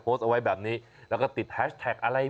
โพสต์เอาไว้แบบนี้แล้วก็ติดแฮชแท็กอะไร